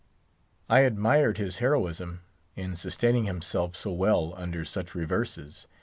I admired his heroism in sustaining himself so well under such reverses.